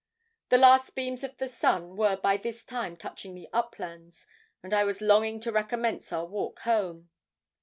The last beams of the sun were by this time touching the uplands, and I was longing to recommence our walk home.